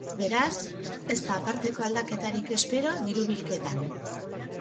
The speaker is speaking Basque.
Beraz, ez da aparteko aldaketarik espero diru-bilketan.